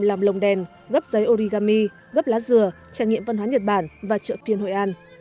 làm lồng đèn gấp giấy origami gấp lá dừa trải nghiệm văn hóa nhật bản và chợ phiên hội an